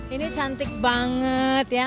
ini cantik banget ya